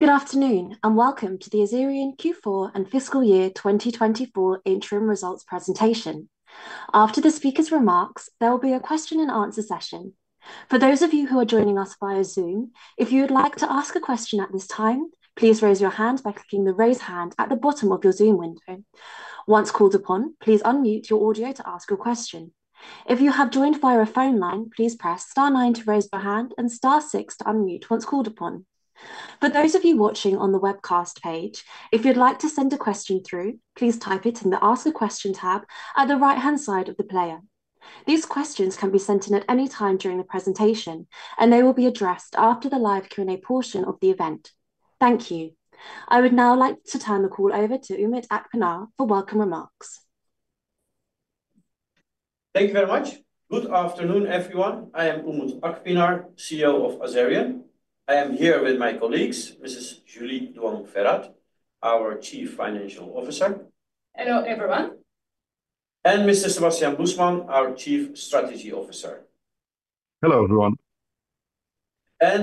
Good afternoon and welcome to the Azerion Q4 and fiscal year 2024 interim results presentation. After the speakers' remarks, there will be a question and answer session. For those of you who are joining us via Zoom, if you would like to ask a question at this time, please raise your hand by clicking the 'Raise Hand' at the bottom of your Zoom window. Once called upon, please unmute your audio to ask your question. If you have joined via a phone line, please press star nine to raise your hand and star six to unmute once called upon. For those of you watching on the webcast page, if you'd like to send a question through, please type it in the 'Ask a Question' tab at the right-hand side of the player. These questions can be sent in at any time during the presentation, and they will be addressed after the live Q&A portion of the event. Thank you. I would now like to turn the call over to Umut Akpinar for welcome remarks. Thank you very much. Good afternoon, everyone. I am Umut Akpinar, CEO of Azerion. I am here with my colleagues, Mrs. Julie Duong Ferat, our Chief Financial Officer. Hello everyone. Mr. Sebastiaan Moesman, our Chief Strategy Officer. Hello everyone.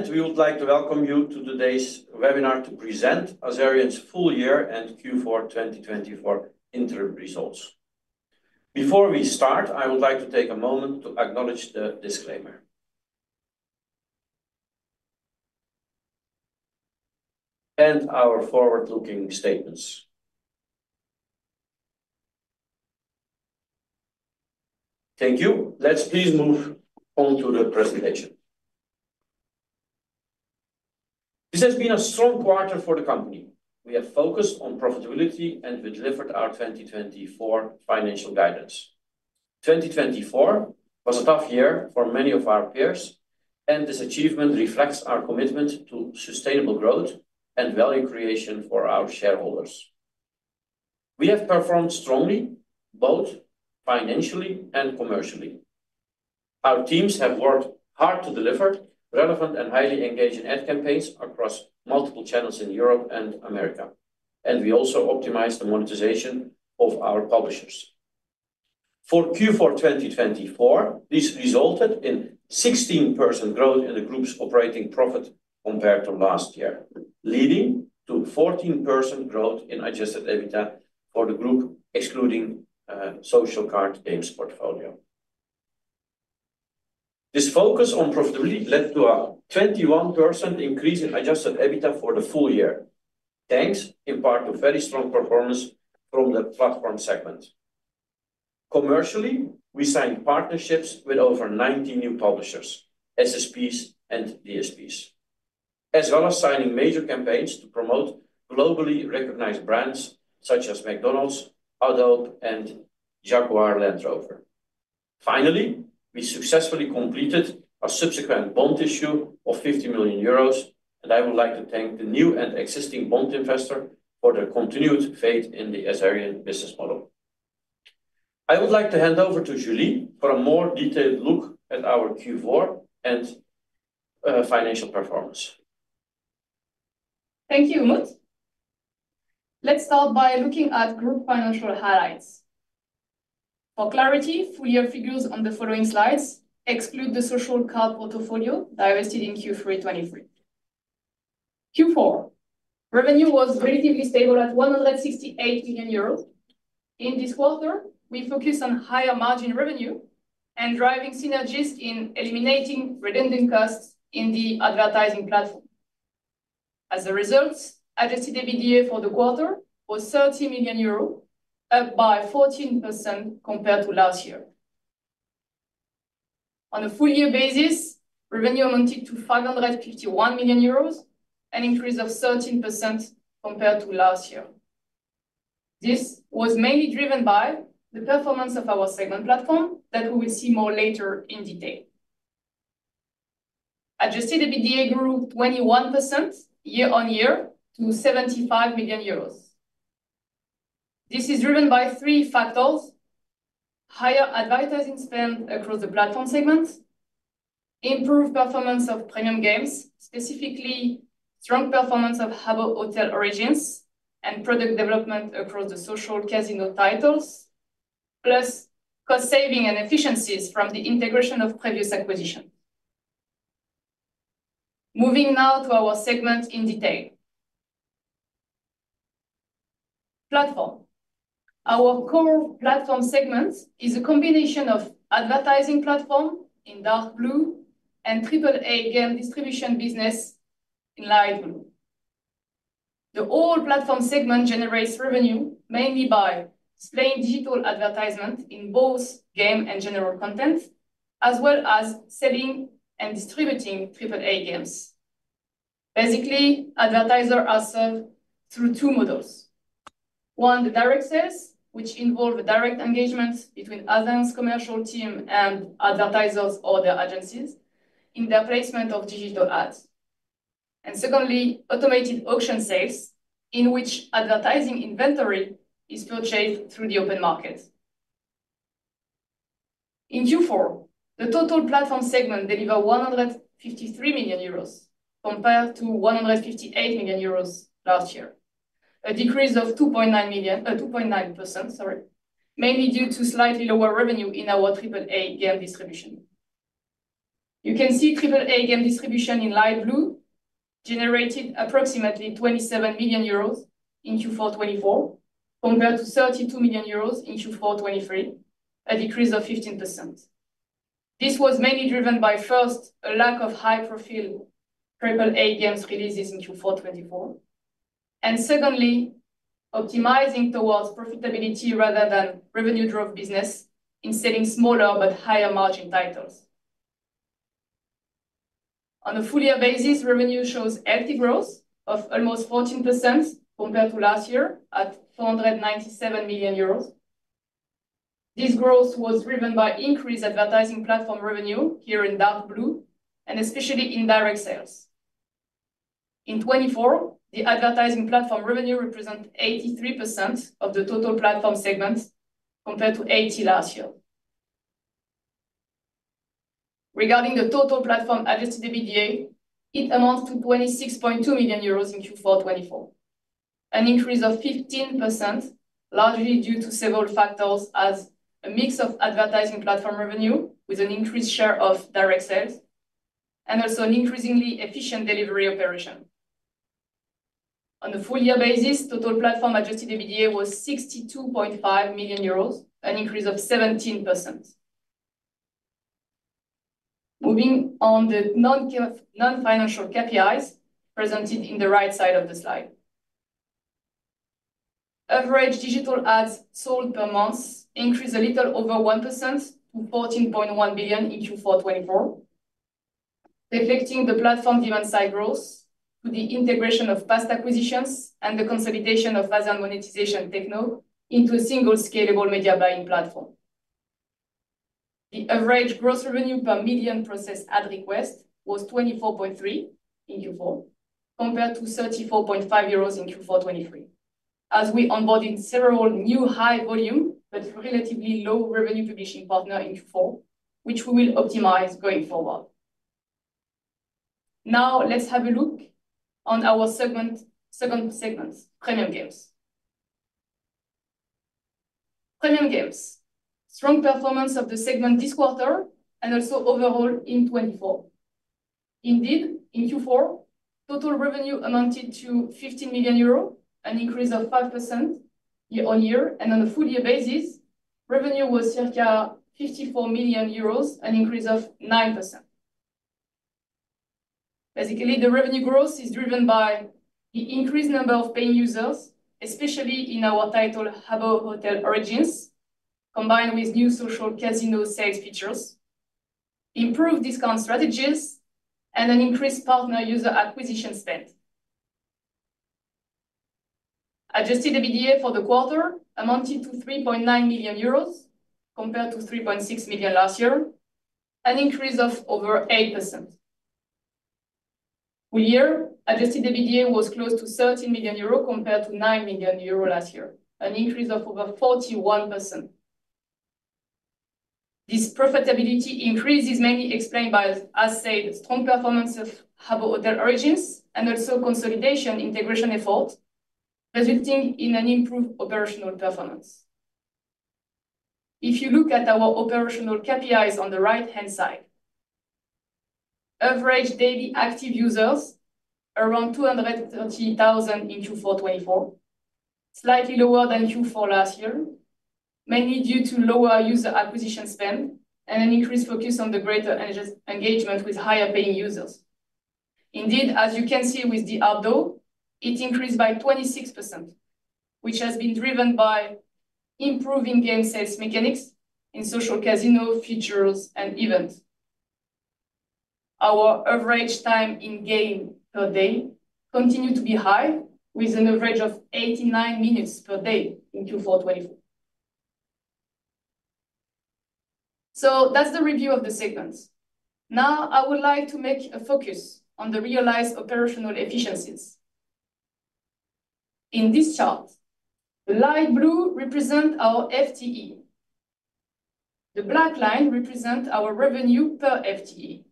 We would like to welcome you to today's webinar to present Azerion's full year and Q4 2024 interim results. Before we start, I would like to take a moment to acknowledge the disclaimer and our forward-looking statements. Thank you. Please move on to the presentation. This has been a strong quarter for the company. We have focused on profitability and we delivered our 2024 financial guidance. 2024 was a tough year for many of our peers, and this achievement reflects our commitment to sustainable growth and value creation for our shareholders. We have performed strongly both financially and commercially. Our teams have worked hard to deliver relevant and highly engaging ad campaigns across multiple channels in Europe and America, and we also optimized the monetization of our publishers. For Q4 2024, this resulted in 16% growth in the group's operating profit compared to last year, leading to 14% growth in Adjusted EBITDA for the group, excluding social card games portfolio. This focus on profitability led to a 21% increase in Adjusted EBITDA for the full year, thanks in part to very strong performance from the platform segment. Commercially, we signed partnerships with over 90 new publishers, SSPs and DSPs, as well as signing major campaigns to promote globally recognized brands such as McDonald's, Adobe, and Jaguar Land Rover. Finally, we successfully completed a subsequent bond issue of 50 million euros, and I would like to thank the new and existing bond investor for their continued faith in the Azerion business model. I would like to hand over to Julie for a more detailed look at our Q4 and financial performance. Thank you, Umut. Let's start by looking at group financial highlights. For clarity, full year figures on the following slides exclude the social card portfolio divested in Q3 2023. Q4 revenue was relatively stable at 168 million euros. In this quarter, we focused on higher margin revenue and driving synergies in eliminating redundant costs in the advertising platform. As a result, Adjusted EBITDA for the quarter was 30 million euros, up by 14% compared to last year. On a full year basis, revenue amounted to 551 million euros, an increase of 13% compared to last year. This was mainly driven by the performance of our segment platform that we will see more later in detail. Adjusted EBITDA grew 21% year-on- year to 75 million euros. This is driven by three factors: higher advertising spend across the platform segment, improved performance of premium games, specifically strong performance of Habbo Hotel Origins, and product development across the social casino titles, plus cost saving and efficiencies from the integration of previous acquisitions. Moving now to our segment in detail. Platform. Our core platform segment is a combination of advertising platform in dark blue and AAA game distribution business in light blue. The whole platform segment generates revenue mainly by displaying digital advertisement in both game and general content, as well as selling and distributing AAA games. Basically, advertisers are served through two models: one, the direct sales, which involve direct engagement between Azerion's commercial team and advertisers or their agencies in their placement of digital ads; and secondly, automated auction sales, in which advertising inventory is purchased through the open market. In Q4, the total platform segment delivered 153 million euros compared to 158 million euros last year, a decrease of 2.9%, mainly due to slightly lower revenue in our AAA game distribution. You can see AAA game distribution in light blue generated approximately 27 million euros in Q4 2024 compared to 32 million euros in Q4 2023, a decrease of 15%. This was mainly driven by, first, a lack of high-profile AAA game releases in Q4 2024, and secondly, optimizing towards profitability rather than revenue-driven business in selling smaller but higher-margin titles. On a full year basis, revenue shows active growth of almost 14% compared to last year at 497 million euros. This growth was driven by increased advertising platform revenue here in dark blue, and especially in direct sales. In 2024, the advertising platform revenue represents 83% of the total platform segment compared to 80% last year. Regarding the total platform Adjusted EBITDA, it amounts to 26.2 million euros in Q4 2024, an increase of 15%, largely due to several factors as a mix of advertising platform revenue with an increased share of direct sales, and also an increasingly efficient delivery operation. On a full year basis, total platform Adjusted EBITDA was 62.5 million euros, an increase of 17%. Moving on, the non-financial KPIs presented in the right side of the slide. Average digital ads sold per month increased a little over 1% to 14.1 billion in Q4 2024, reflecting the platform demand-side growth through the integration of past acquisitions and the consolidation of Azerion monetization technology into a single scalable media buying platform. The average gross revenue per million processed ad request was 24.3 million in Q4 compared to 34.5 million euros in Q4 2023, as we onboarded several new high-volume but relatively low-revenue publishing partners in Q4, which we will optimize going forward. Now, let's have a look on our second segment, premium games. Premium games, strong performance of the segment this quarter and also overall in 2024. Indeed, in Q4, total revenue amounted to 15 million euros, an increase of 5% year on year, and on a full year basis, revenue was circa 54 million euros, an increase of 9%. Basically, the revenue growth is driven by the increased number of paying users, especially in our title Habbo Hotel Origins, combined with new social casino sales features, improved discount strategies, and an increased partner user acquisition spend. Adjusted EBITDA for the quarter amounted to 3.9 million euros compared to 3.6 million last year, an increase of over 8%. Full year, Adjusted EBITDA was close to 13 million euro compared to 9 million euro last year, an increase of over 41%. This profitability increase is mainly explained by, as said, strong performance of Habbo Hotel Origins and also consolidation integration efforts, resulting in an improved operational performance. If you look at our operational KPIs on the right-hand side, average daily active users are around 230,000 in Q4 2024, slightly lower than Q4 last year, mainly due to lower user acquisition spend and an increased focus on the greater engagement with higher-paying users. Indeed, as you can see with the ARPU, it increased by 26%, which has been driven by improving game sales mechanics in social casino features and events. Our average time in game per day continued to be high, with an average of 89 minutes per day in Q4 2024. That is the review of the segments. Now, I would like to make a focus on the realized operational efficiencies. In this chart, the light blue represents our FTE. The black line represents our revenue per FTE.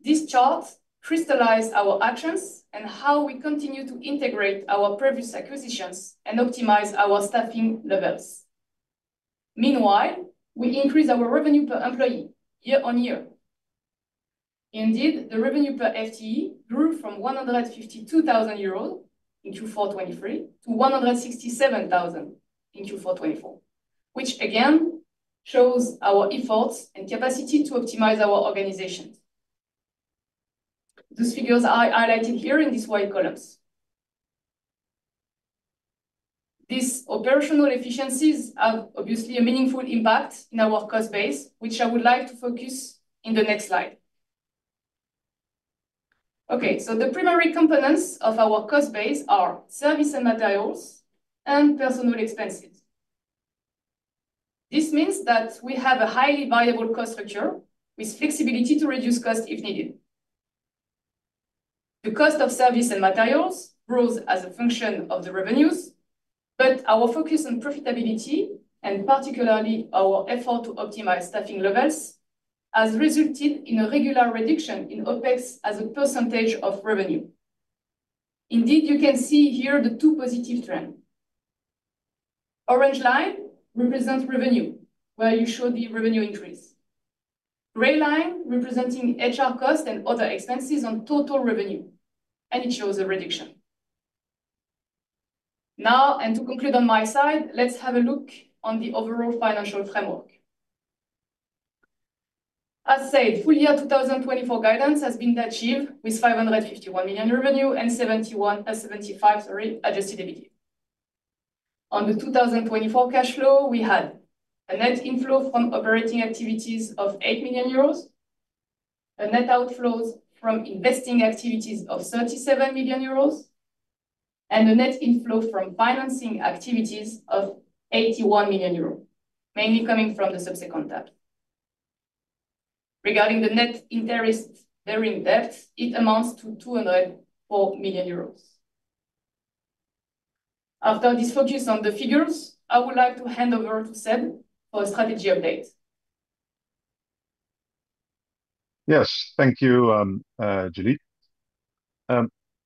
This chart crystallizes our actions and how we continue to integrate our previous acquisitions and optimize our staffing levels. Meanwhile, we increase our revenue per employee year on year. Indeed, the revenue per FTE grew from 152,000 euros in Q4 2023 to 167,000 in Q4 2024, which again shows our efforts and capacity to optimize our organization. Those figures are highlighted here in these white columns. These operational efficiencies have obviously a meaningful impact in our cost base, which I would like to focus on in the next slide. Okay, so the primary components of our cost base are service and materials and personnel expenses. This means that we have a highly viable cost structure with flexibility to reduce costs if needed. The cost of service and materials grows as a function of the revenues, but our focus on profitability, and particularly our effort to optimize staffing levels, has resulted in a regular reduction in OpEx as a percentage of revenue. Indeed, you can see here the two positive trends. The orange line represents revenue, where you show the revenue increase. The gray line represents HR costs and other expenses on total revenue, and it shows a reduction. Now, to conclude on my side, let's have a look at the overall financial framework. As said, full year 2024 guidance has been achieved with 551 million revenue and 71.75 million Adjusted EBITDA. On the 2024 cash flow, we had a net inflow from operating activities of 8 million euros, a net outflow from investing activities of 37 million euros, and a net inflow from financing activities of 81 million euros, mainly coming from the subsequent tap. Regarding the net interest-bearing debt, it amounts to 204 million euros. After this focus on the figures, I would like to hand over to Seb for a strategy update. Yes, thank you, Julie.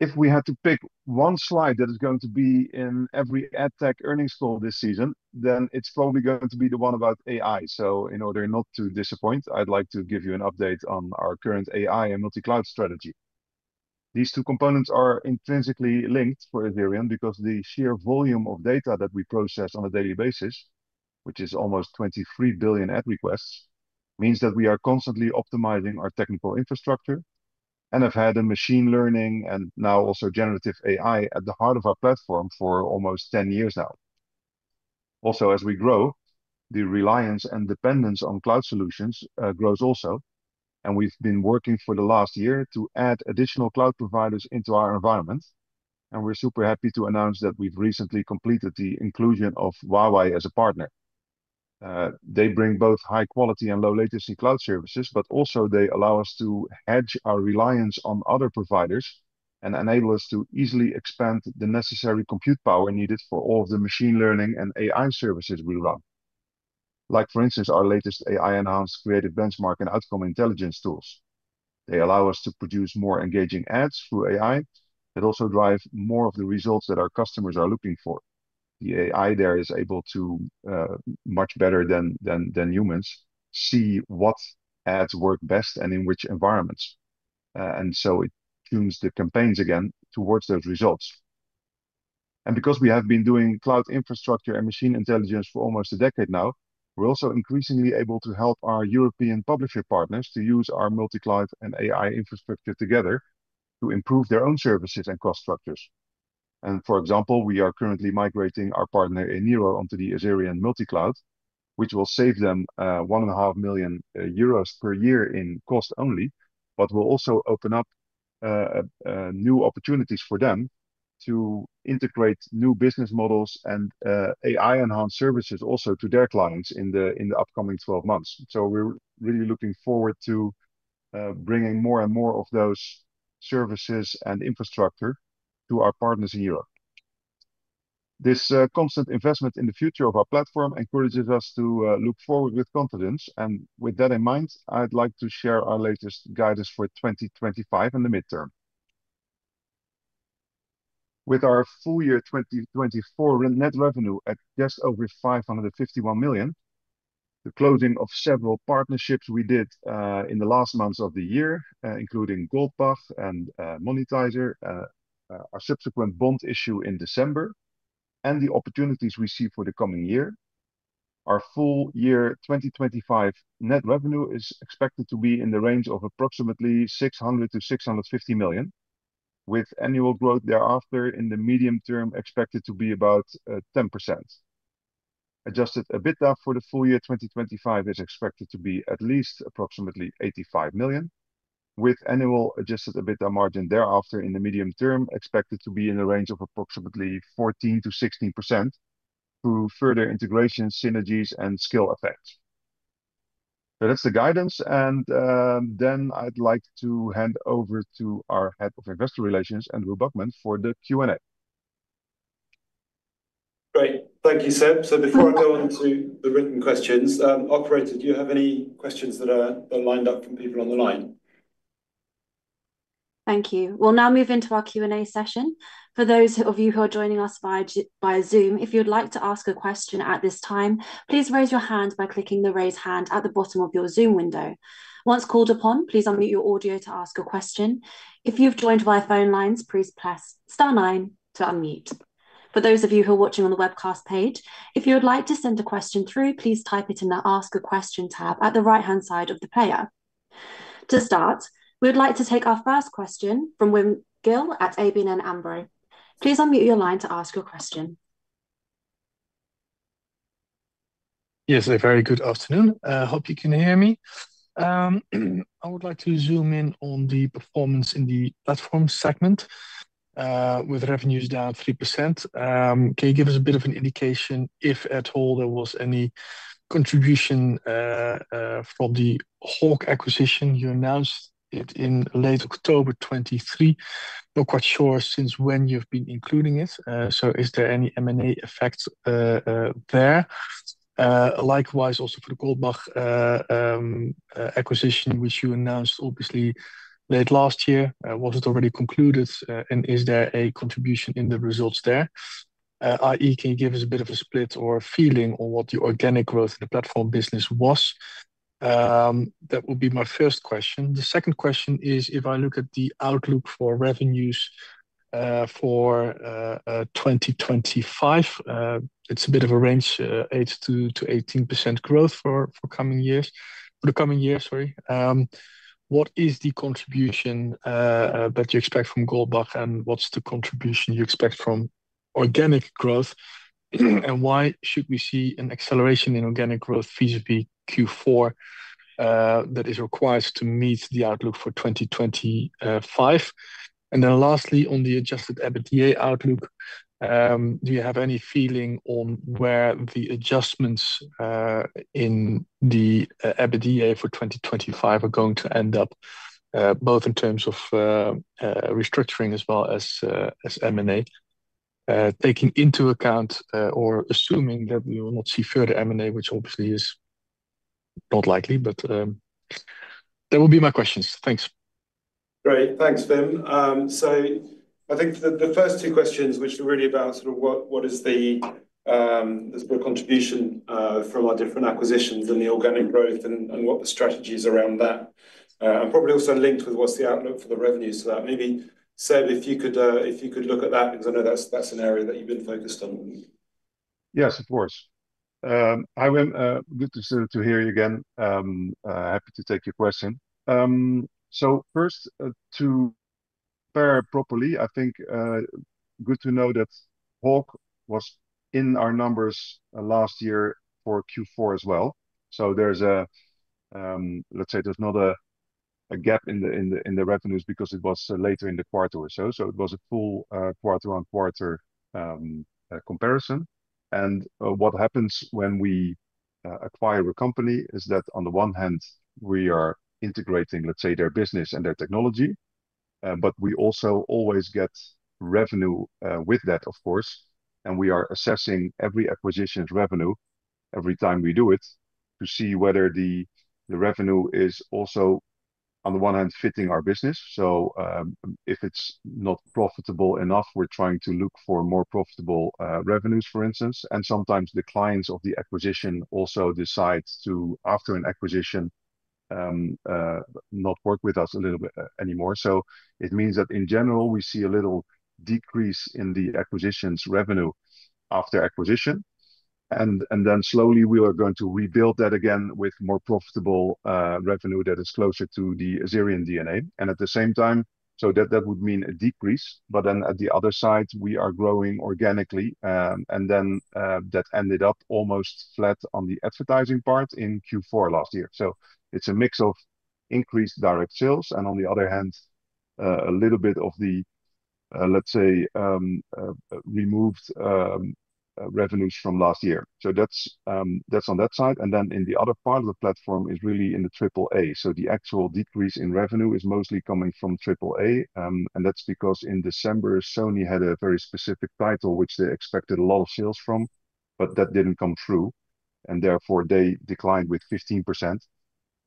If we had to pick one slide that is going to be in every AdTech earnings call this season, it is probably going to be the one about AI. In order not to disappoint, I'd like to give you an update on our current AI and multi-cloud strategy. These two components are intrinsically linked for Azerion because the sheer volume of data that we process on a daily basis, which is almost 23 billion ad requests, means that we are constantly optimizing our technical infrastructure and have had machine learning and now also generative AI at the heart of our platform for almost 10 years now. Also, as we grow, the reliance and dependence on cloud solutions grows also, and we've been working for the last year to add additional cloud providers into our environment. We are super happy to announce that we have recently completed the inclusion of Huawei as a partner. They bring both high-quality and low-latency cloud services, but also they allow us to hedge our reliance on other providers and enable us to easily expand the necessary compute power needed for all of the machine learning and AI services we run. Like, for instance, our latest AI-enhanced creative benchmark and outcome intelligence tools. They allow us to produce more engaging ads through AI that also drive more of the results that our customers are looking for. The AI there is able to, much better than humans, see what ads work best and in which environments. It tunes the campaigns again towards those results. Because we have been doing cloud infrastructure and machine intelligence for almost a decade now, we're also increasingly able to help our European publisher partners to use our multi-cloud and AI infrastructure together to improve their own services and cost structures. For example, we are currently migrating our partner Nero onto the Azerion multi-cloud, which will save them 1.5 million euros per year in cost only, but will also open up new opportunities for them to integrate new business models and AI-enhanced services also to their clients in the upcoming 12 months. We are really looking forward to bringing more and more of those services and infrastructure to our partners in Europe. This constant investment in the future of our platform encourages us to look forward with confidence. With that in mind, I'd like to share our latest guidance for 2025 and the midterm. With our full year 2024 net revenue at just over 551 million, the closing of several partnerships we did in the last months of the year, including Goldbach and Monetize, our subsequent bond issue in December, and the opportunities we see for the coming year, our full year 2025 net revenue is expected to be in the range of approximately 600 million to 650 million, with annual growth thereafter in the medium term expected to be about 10%. Adjusted EBITDA for the full year 2025 is expected to be at least approximately 85 million, with annual Adjusted EBITDA margin thereafter in the medium term expected to be in the range of approximately 14%-16% through further integrations, synergies, and scale effects. That is the guidance. I would like to hand over to our Head of Investor Relations, Andrew Buckman, for the Q&A. Great. Thank you, Seb. Before I go into the written questions, operator, do you have any questions that are lined up from people on the line? Thank you. We will now move into our Q&A session. For those of you who are joining us via Zoom, if you would like to ask a question at this time, please raise your hand by clicking the raise hand at the bottom of your Zoom window. Once called upon, please unmute your audio to ask a question. If you have joined via phone lines, please press star nine to unmute. For those of you who are watching on the webcast page, if you would like to send a question through, please type it in the ask a question tab at the right-hand side of the player. To start, we would like to take our first question from Wim Gille at ABN AMRO. Please unmute your line to ask your question. Yes, a very good afternoon. I hope you can hear me. I would like to zoom in on the performance in the platform segment with revenues down 3%. Can you give us a bit of an indication if at all there was any contribution from the Hawk acquisition you announced in late October 2023? Not quite sure since when you've been including it. Is there any M&A effect there? Likewise, also for the Goldbach acquisition, which you announced obviously late last year, was it already concluded? Is there a contribution in the results there? I.e., can you give us a bit of a split or a feeling on what the organic growth in the platform business was? That would be my first question. The second question is, if I look at the outlook for revenues for 2025, it's a bit of a range, 8%-18% growth for the coming years. What is the contribution that you expect from Goldbach, and what's the contribution you expect from organic growth, and why should we see an acceleration in organic growth vis-à-vis Q4 that is required to meet the outlook for 2025? Lastly, on the Adjusted EBITDA outlook, do you have any feeling on where the adjustments in the EBITDA for 2025 are going to end up, both in terms of restructuring as well as M&A, taking into account or assuming that we will not see further M&A, which obviously is not likely, but that would be my questions. Thanks. Great. Thanks, Wim. I think the first two questions, which are really about sort of what is the sort of contribution from our different acquisitions and the organic growth and what the strategy is around that, and probably also linked with what's the outlook for the revenues to that. Maybe Seb, if you could look at that, because I know that's an area that you've been focused on. Yes, of course. Good to hear you again. Happy to take your question. First, to pair properly, I think good to know that Hawk was in our numbers last year for Q4 as well. There is not a gap in the revenues because it was later in the quarter or so. It was a full quarter-on-quarter comparison. What happens when we acquire a company is that on the one hand, we are integrating, let's say, their business and their technology, but we also always get revenue with that, of course. We are assessing every acquisition's revenue every time we do it to see whether the revenue is also, on the one hand, fitting our business. If it is not profitable enough, we are trying to look for more profitable revenues, for instance. Sometimes the clients of the acquisition also decide to, after an acquisition, not work with us a little bit anymore. It means that in general, we see a little decrease in the acquisition's revenue after acquisition. Then slowly, we are going to rebuild that again with more profitable revenue that is closer to the Azerion DNA. At the same time, that would mean a decrease. On the other side, we are growing organically. That ended up almost flat on the advertising part in Q4 last year. It is a mix of increased direct sales and, on the other hand, a little bit of the, let's say, removed revenues from last year. That is on that side. In the other part of the platform, it is really in the AAA. The actual decrease in revenue is mostly coming from AAA. That is because in December, Sony had a very specific title, which they expected a lot of sales from, but that did not come through. Therefore, they declined with 15%,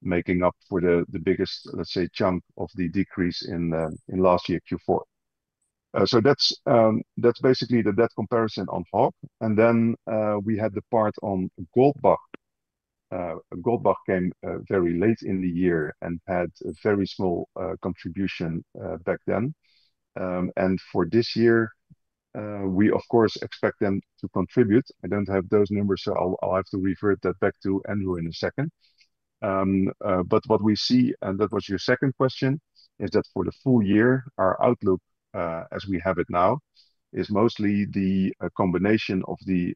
making up for the biggest, let's say, chunk of the decrease in last year, Q4. That is basically the debt comparison on Hawk. We had the part on Goldbach. Goldbach came very late in the year and had a very small contribution back then. For this year, we, of course, expect them to contribute. I do not have those numbers, so I will have to revert that back to Andrew in a second. What we see, and that was your second question, is that for the full year, our outlook, as we have it now, is mostly the combination of the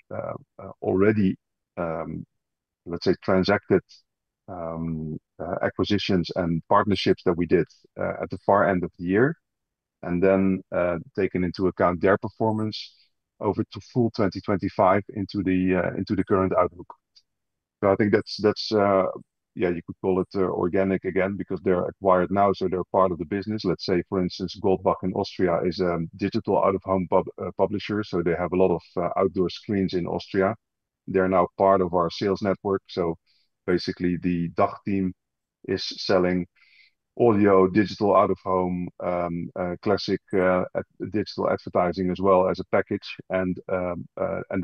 already, let's say, transacted acquisitions and partnerships that we did at the far end of the year, and then taken into account their performance over to full 2025 into the current outlook. I think that's, yeah, you could call it organic again because they're acquired now, so they're part of the business. Let's say, for instance, Goldbach in Austria is a digital out-of-home publisher. They have a lot of outdoor screens in Austria. They're now part of our sales network. Basically, the DACH team is selling audio, digital out-of-home, classic digital advertising as well as a package.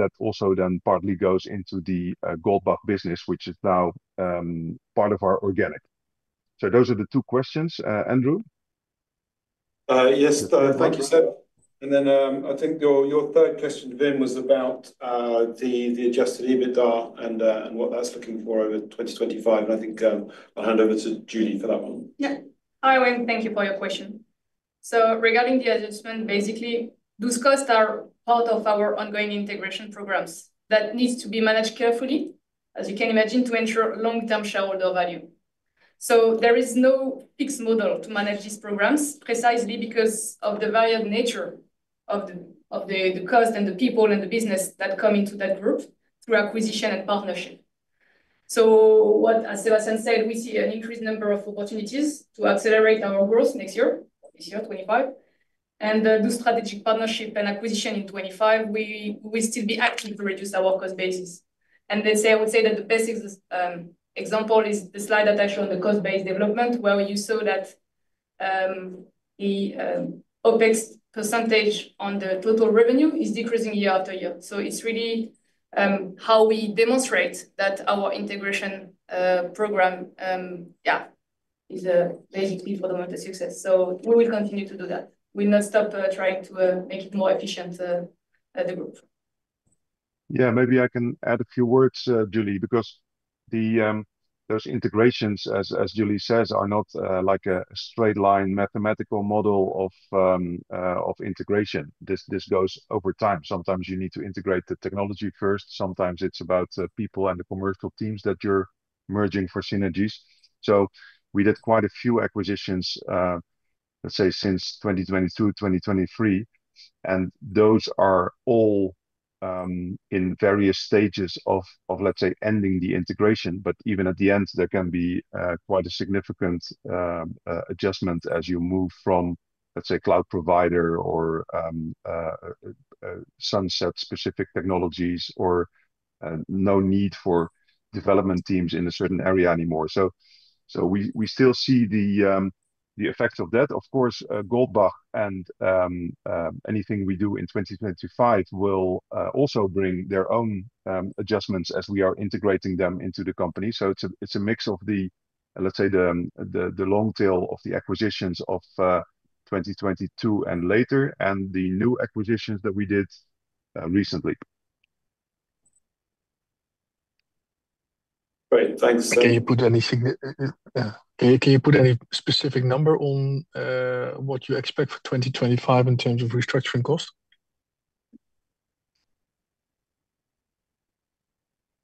That also then partly goes into the Goldbach business, which is now part of our organic. Those are the two questions. Andrew? Yes, thank you, Seb. I think your third question, Wim, was about the Adjusted EBITDA and what that's looking for over 2025. I think I'll hand over to Julie for that one. Yeah. Hi, Wim. Thank you for your question. Regarding the adjustment, basically, those costs are part of our ongoing integration programs that need to be managed carefully, as you can imagine, to ensure long-term shareholder value. There is no fixed model to manage these programs precisely because of the varied nature of the cost and the people and the business that come into that group through acquisition and partnership. What Sebastiaan said, we see an increased number of opportunities to accelerate our growth next year, this year, 2025. Those strategic partnerships and acquisitions in 2025, we will still be active to reduce our cost basis. I would say that the best example is the slide that I showed on the cost-based development, where you saw that the OpEx percentage on the total revenue is decreasing year after year. It is really how we demonstrate that our integration program, yeah, is basically for the moment a success. We will continue to do that. We'll not stop trying to make it more efficient at the group. Yeah, maybe I can add a few words, Julie, because those integrations, as Julie says, are not like a straight-line mathematical model of integration. This goes over time. Sometimes you need to integrate the technology first. Sometimes it's about people and the commercial teams that you're merging for synergies. We did quite a few acquisitions, let's say, since 2022, 2023. Those are all in various stages of, let's say, ending the integration. Even at the end, there can be quite a significant adjustment as you move from, let's say, cloud provider or sunset-specific technologies or no need for development teams in a certain area anymore. We still see the effect of that. Of course, Goldbach and anything we do in 2025 will also bring their own adjustments as we are integrating them into the company. It is a mix of the, let's say, the long tail of the acquisitions of 2022 and later and the new acquisitions that we did recently. Great. Thanks. Can you put anything? Can you put any specific number on what you expect for 2025 in terms of restructuring costs?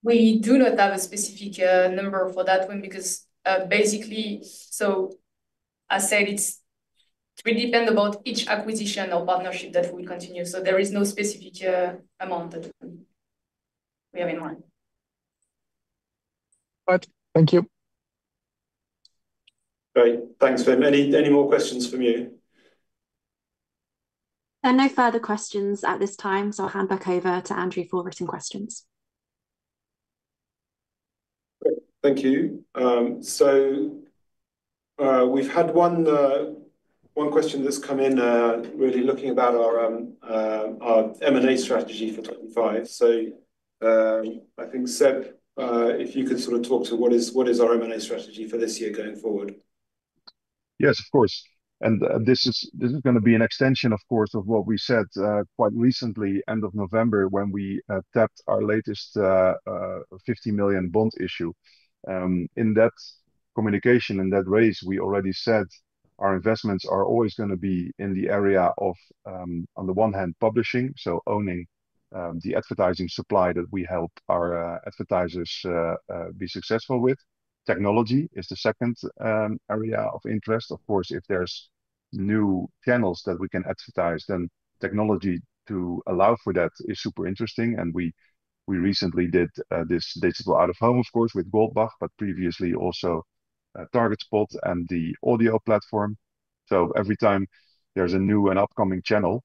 We do not have a specific number for that one because basically, as I said, it really depends about each acquisition or partnership that we continue. There is no specific amount that we have in mind. All right. Thank you. Great. Thanks, Wim. Any more questions from you? There are no further questions at this time. I'll hand back over to Andrew for written questions. Great. Thank you. We have had one question that has come in really looking about our M&A strategy for 2025. I think, Seb, if you could sort of talk to what is our M&A strategy for this year going forward? Yes, of course. This is going to be an extension, of course, of what we said quite recently, end of November, when we tapped our latest 50 million bond issue. In that communication, in that raise, we already said our investments are always going to be in the area of, on the one hand, publishing, so owning the advertising supply that we help our advertisers be successful with. Technology is the second area of interest. Of course, if there are new channels that we can advertise, then technology to allow for that is super interesting. We recently did this digital out-of-home, of course, with Goldbach, but previously also Targetspot and the audio platform. Every time there is a new and upcoming channel,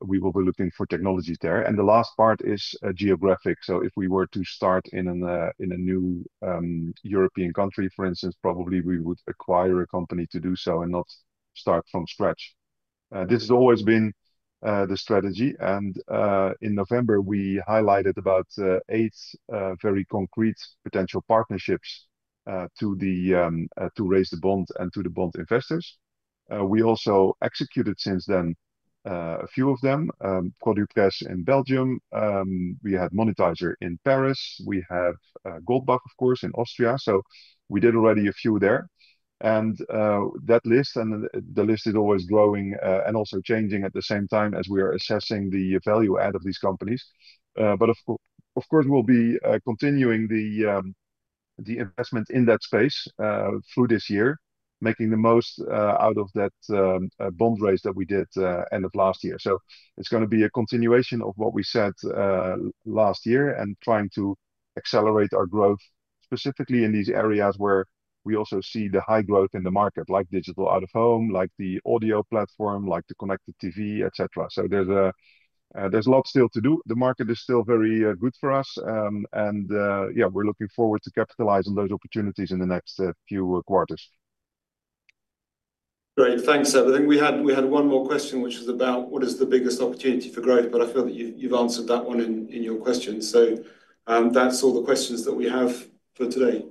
we will be looking for technologies there. The last part is geographic. If we were to start in a new European country, for instance, probably we would acquire a company to do so and not start from scratch. This has always been the strategy. In November, we highlighted about eight very concrete potential partnerships to raise the bond and to the bond investors. We also executed since then a few of them, Quantum in Belgium. We had Monetize in Paris. We have Goldbach, of course, in Austria. We did already a few there. That list, and the list is always growing and also changing at the same time as we are assessing the value add of these companies. Of course, we'll be continuing the investment in that space through this year, making the most out of that bond raise that we did end of last year. It is going to be a continuation of what we said last year and trying to accelerate our growth specifically in these areas where we also see the high growth in the market, like digital out-of-home, like the audio platform, like the connected TV, etc. There is a lot still to do. The market is still very good for us. Yeah, we are looking forward to capitalize on those opportunities in the next few quarters. Great. Thanks, Seb. I think we had one more question, which was about what is the biggest opportunity for growth, but I feel that you've answered that one in your question. That is all the questions that we have for today.